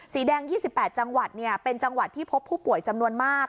สีแดง๒๘จังหวัดเป็นจังหวัดที่พบผู้ป่วยจำนวนมาก